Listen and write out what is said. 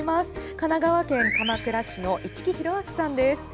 神奈川県鎌倉市の市来広昭さんです。